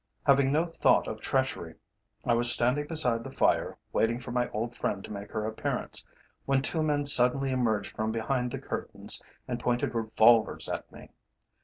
Having no thought of treachery, I was standing beside the fire, waiting for my old friend to make her appearance, when two men suddenly emerged from behind the curtains, and pointed revolvers at me.